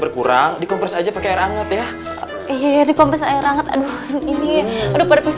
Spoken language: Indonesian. mohon maaf ya ini gara gara padeh